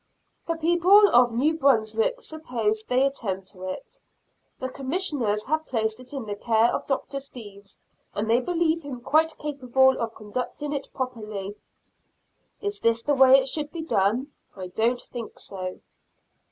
The people of New Brunswick suppose they attend to it. The Commissioners have placed it in the care of Dr. Steeves, and they believe him quite capable of conducting it properly. Is this the way it should be done? I don't think so.